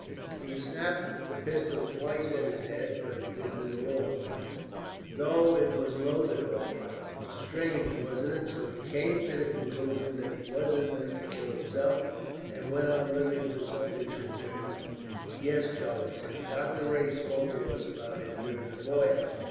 He snapped the pistol twice at his head, but it didn't go off, though it was loaded all right. Strange, wasn't it? So he came to the conclusion that he wasn't meant to kill himself, and went on living till something should turn up." "Yes," Charlie said; "Doctor Rae spoke to us about him during the voyage.